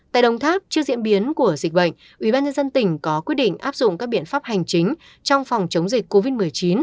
tại đồng tháp trước diễn biến của dịch bệnh ubnd tỉnh có quyết định áp dụng các biện pháp hành chính trong phòng chống dịch covid một mươi chín